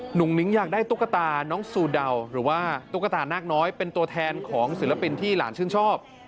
หนุ่มนิ้งอยากได้ตุ๊กตาน้องซูเดาหรือว่าตุ๊กตานาคน้อยเป็นตัวแทนของศิลปินที่หลานชื่นชอบ